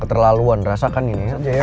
keterlaluan rasakan ini ya